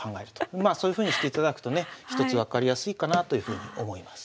まあそういうふうにしていただくとねひとつ分かりやすいかなというふうに思います。